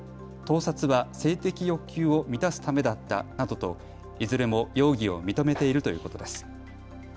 盗撮は性的欲求を満たすためだったなどといずれも容疑を認めているということです。